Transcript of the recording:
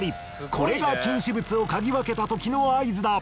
これが禁止物を嗅ぎ分けたときの合図だ。